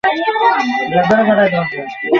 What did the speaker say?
তাঁর সাথে ছিলেন তার মেয়ে সাফুরা।